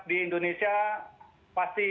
di indonesia pasti